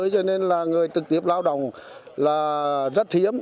cho nên là người trực tiếp lao động là rất hiếm